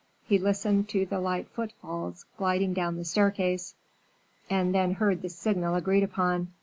He listened to the light footfalls gliding down the staircase, and then heard the signal agreed upon.